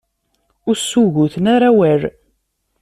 Ur ssugguten ara awal.